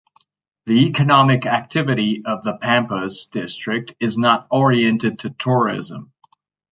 The economic activity of the Pampas district is not oriented to tourism.